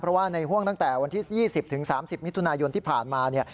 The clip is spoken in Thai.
เพราะว่าในห่วงตั้งแต่วันที่๒๐๓๐มิถุนายนที่ผ่านมาเนี่ย